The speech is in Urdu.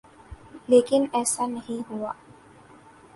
لیکن ایسا نہیں ہوا۔